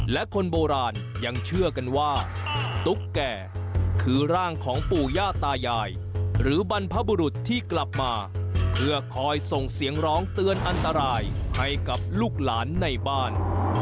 และคนโบราณยังเชื่อกันว่าตุ๊กแก่คือร่างของปู่ย่าตายายหรือบรรพบุรุษที่กลับมาเพื่อคอยส่งเสียงร้องเตือนอันตรายให้กับลูกหลานในบ้าน